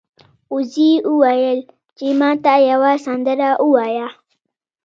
وزې وویل چې ما ته یوه سندره ووایه.